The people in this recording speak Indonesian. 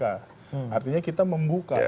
artinya kita membuka